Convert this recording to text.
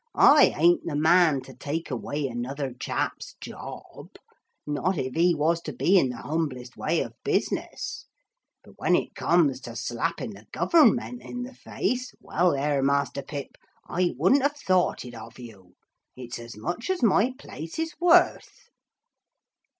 'I ain't the man to take away another chap's job, not if he was to be in the humblest way of business; but when it comes to slapping the government in the face, well, there, Master Pip, I wouldn't have thought it of you. It's as much as my place is worth.'